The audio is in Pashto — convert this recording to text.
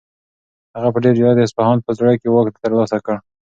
هغه په ډېر جرئت د اصفهان په زړه کې واک ترلاسه کړ.